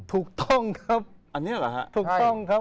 ถูกต้องครับ